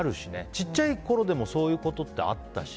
ちっちゃいころでもそういうことってあったし。